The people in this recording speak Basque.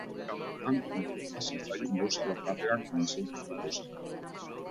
Era horretan, inporta zitzaion gauza bakarrean kontzentratuko zen.